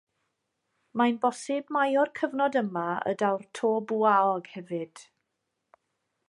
Mae'n bosib mai o'r cyfnod yma y daw'r to bwaog hefyd.